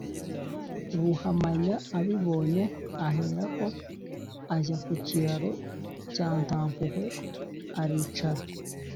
ruhamanya abibonye ahera ko ajya ku kiraro cya ntampuhwe aricara: